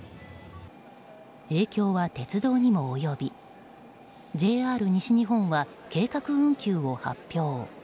影響は鉄道にも及びＪＲ西日本は計画運休を発表。